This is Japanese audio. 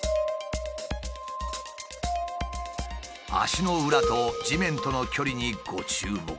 足の裏と地面との距離にご注目。